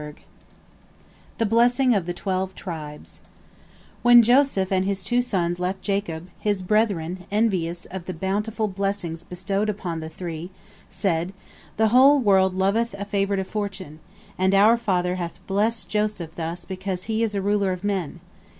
THE BLESSING OF THE TWELVE TRIBES When Joseph and his two sons left Jacob, his brethren, envious of the bountiful blessings bestowed upon the three, said, "The whole world loveth a favorite of fortune, and our father hath blessed Joseph thus because he is a ruler of men."